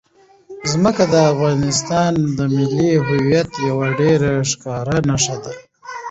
ځمکه د افغانستان د ملي هویت یوه ډېره ښکاره نښه ده.